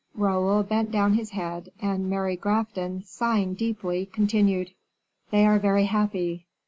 Raoul bent down his head, and Mary Grafton, sighing deeply, continued, "They are very happy.